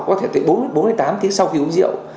có thể tới bốn đến tám tiếng sau khi uống rượu